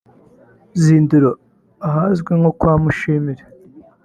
Zindiro (ahazwi nko kwa Mushimire)